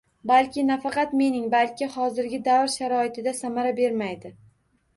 Balki. Nafaqat mening, balki hozirgi davr sharoitida samara bermaydi.